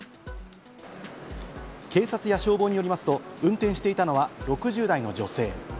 警察や消防によりますと、運転していたのは６０代の女性。